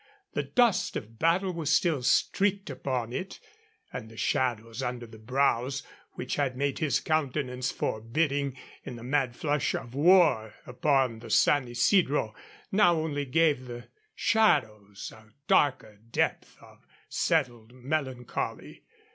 The dust of battle was still streaked upon it, and the shadows under the brows which had made his countenance forbidding in the mad flush of war upon the San Isidro now only gave the shadows a darker depth of settled melancholy.